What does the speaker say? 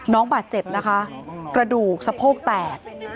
น้องบาดเจ็บนะคะกระดูกสะโพกแตก